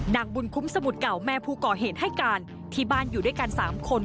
นางบุญคุ้มสมุทรเก่าแม่ผู้ก่อเหตุให้การที่บ้านอยู่ด้วยกัน๓คน